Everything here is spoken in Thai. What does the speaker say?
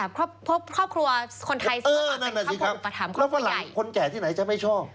พักฝรั่งคนแก่ที่ไหนจะไม่ชอบ